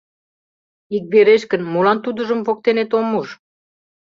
Иквереш гын, молан тудыжым воктенет ом уж?